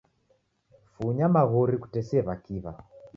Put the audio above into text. Funya maghuri kutesie w'akiw'a